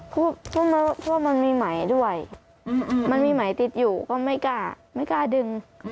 เพราะว่ามันมีไหมด้วยมันมีไหมติดอยู่ก็ไม่กล้าไม่กล้าดึง